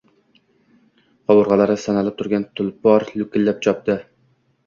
Qovurgʼalari sanalib turgan «tulpor» loʼkillab chopdi.